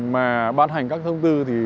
mà ban hành các thông tư thì